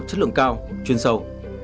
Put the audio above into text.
chất lượng cao chuyên sâu